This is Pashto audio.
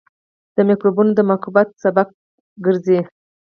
د مکروبونو د مقاومت سبب ګرځي.